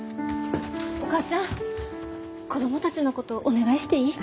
お母ちゃん子供たちのことお願いしていい？